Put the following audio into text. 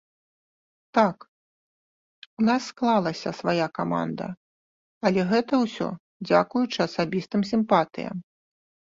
Так, у нас склалася свая каманда, але гэта ўсё дзякуючы асабістым сімпатыям.